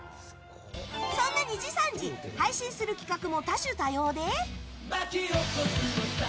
そんな、にじさんじ配信する企画も多種多様で。